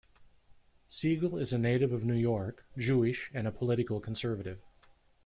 Siegel is a native of New York, Jewish and a political conservative.